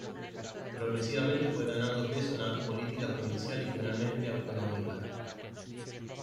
Progresivamente fue ganando peso en la política provincial y finalmente autonómica.